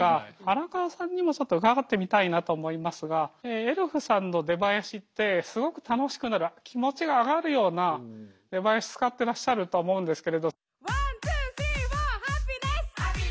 荒川さんにもちょっと伺ってみたいなと思いますがエルフさんの出囃子ってすごく楽しくなる気持ちが上がるような出囃子使ってらっしゃると思うんですけれど。